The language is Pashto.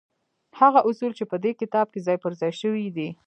هغه اصول چې په دې کتاب کې ځای پر ځای شوي دي.